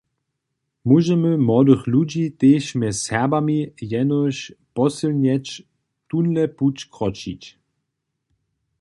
Móžemy młodych ludźi, tež mjez Serbami, jenož posylnjeć tónle puć kročić.